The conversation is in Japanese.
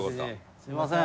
すみません。